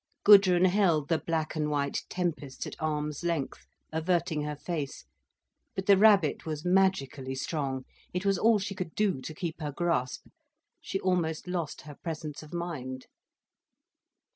Gudrun held the black and white tempest at arms' length, averting her face. But the rabbit was magically strong, it was all she could do to keep her grasp. She almost lost her presence of mind.